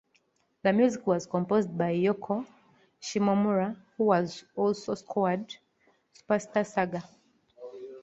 The music was composed by Yoko Shimomura, who also scored "Superstar Saga".